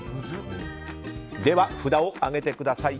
では札を上げてください。